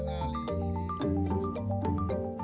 nusa dua bali